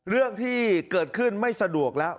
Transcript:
เรื่องที่เกิดขึ้นไม่สะดวกแล้ว